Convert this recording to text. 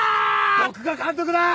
僕が監督だ！